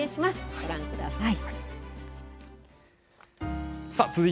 ご覧ください。